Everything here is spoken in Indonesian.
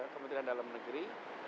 kementerian dalam negeri